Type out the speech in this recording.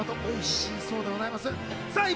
おいしそうでございます。